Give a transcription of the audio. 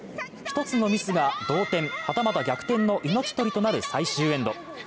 １つのミスが同点、はたまた逆転の命取りとなる最終エンド。